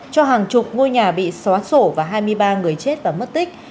cho hàng chục ngôi nhà bị xóa sổ và hai mươi ba người chết và mất tích